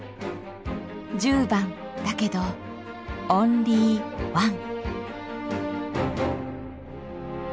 十番だけどオンリーワン。